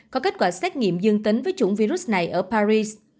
có kết quả xét nghiệm dương tính với chủng virus này ở paris